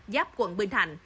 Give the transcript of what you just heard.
giáp quận bình thạnh